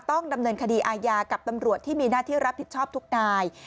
ต้องดำเนินคดีอาญากับตำรวจที่มีหน้าที่รับผิดชอบทุกนาย